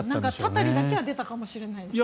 たたりだけは出たかもしれないですね。